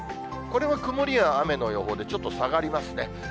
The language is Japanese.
これは曇りや雨の予報で、ちょっと下がりますね。